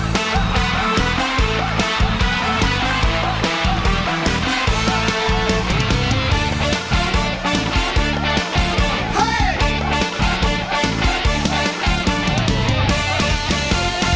เกมในช่วงขอแรงชาวบ้านแข่งขันกันทำอะไร